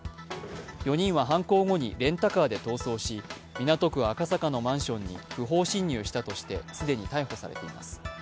４人は犯行後にレンタカーで逃走し、港区赤坂のマンションに不法侵入したとして既に逮捕されています。